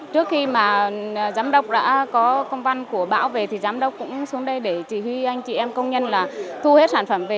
trước khi mà giám đốc đã có công văn của bão về thì giám đốc cũng xuống đây để chỉ huy anh chị em công nhân là thu hết sản phẩm về